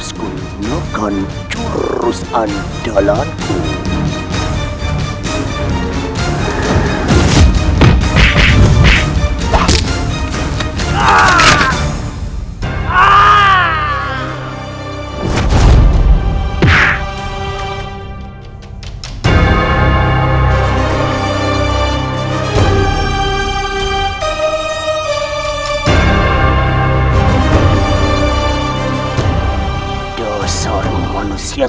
ternyata lumayan juga kan rakan ini